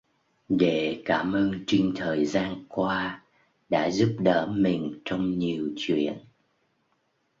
Để cảm ơn trinh thời gian qua đã giúp đỡ mình trong nhiều chuyện